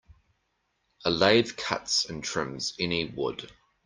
A lathe cuts and trims any wood.